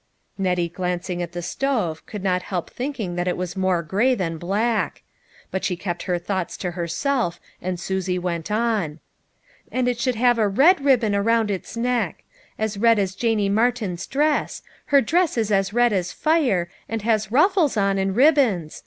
Nettie glancing at the stove, could not help thinking that it was more gray than black ; but she kept her thoughts to herself, and Susie went on. " And it should have a red ribbon around its neck ; as red as Janie Martin's dress ; her dress is as red as fire, and has ruffles on, and ribbons.